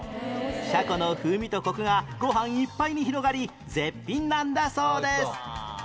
シャコの風味とコクがご飯いっぱいに広がり絶品なんだそうです